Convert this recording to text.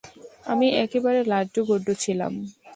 আমি একেবারে লাড্ডুগুড্ডু ছিলাম।